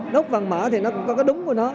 đốt vằn mã thì nó cũng có cái đúng của nó